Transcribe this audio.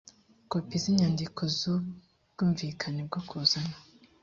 kopi z inyandiko y ubwumvikane bwo kuzana